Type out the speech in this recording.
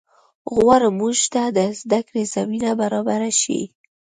غواړم مونږ ته د زده کړې زمینه برابره شي